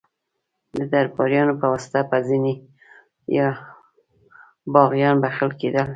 د درباریانو په واسطه به ځینې باغیان بخښل کېدل.